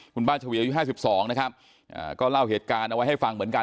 คุณป้าเฉวียอายุ๕๒นะครับก็เล่าเหตุการณ์เอาไว้ให้ฟังเหมือนกัน